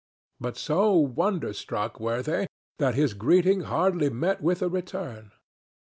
But so wonder struck were they that his greeting hardly met with a return.